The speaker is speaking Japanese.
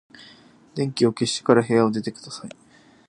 電気を消してから部屋を出てください。